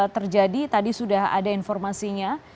terjadi tadi sudah ada informasinya